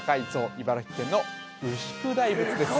茨城県の牛久大仏です